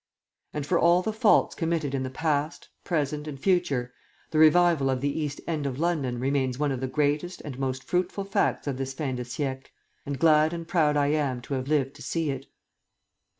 And for all the faults committed in past, present, and future, the revival of the East End of London remains one of the greatest and most fruitful facts of this fin de siecle, and glad and proud I am to have lived to see it.